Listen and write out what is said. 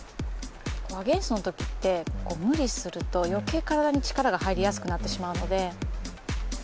アゲインストのときって無理すると余計体に力が入りやすくなってしまうので。